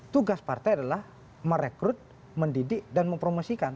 tugas partai adalah merekrut mendidik dan mempromosikan